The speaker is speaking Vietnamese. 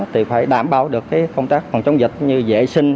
thì phải đảm bảo được công tác phòng chống dịch như vệ sinh